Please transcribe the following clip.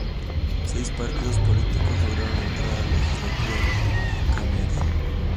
Seis partidos políticos lograron entrar a la legislatura unicameral.